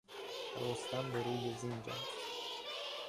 رستم به روی زین جست.